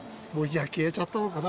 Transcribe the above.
消えちゃったのかな？